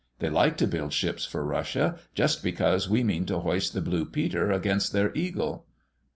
They like to build ships for Russia, just because we mean to hoist the Blue Peter against their Eagle.